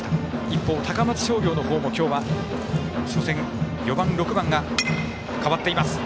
一方、高松商業のほうも今日は初戦、４番６番が代わっています。